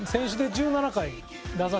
１７回？